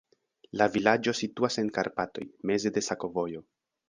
La vilaĝo situas en Karpatoj, meze de sakovojo.